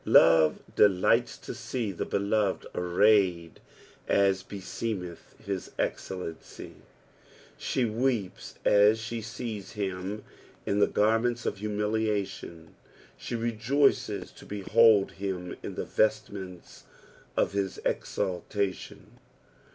Love delights to see the Beloved arrayed as beseemeth his excellency ; she weeps as she sees him in the garments of humiliation, she rejoices to behold him in the vestments of his exaltation.